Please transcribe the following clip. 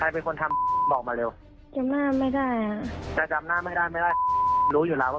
ไม่รู้ว่าจะเขาเดินเข้ามาครับ